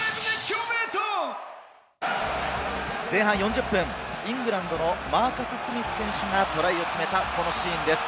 前半４０分、イングランドのマーカス・スミス選手がトライを決めた、このシーンです。